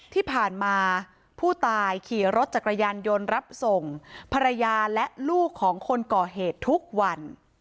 ที่ผ่านมาผู้ตายขี่รถจักรยานยนต์รับส่งภรรยาและลูกของคนก่อเหตุทุกวัน